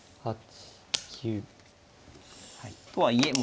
はい。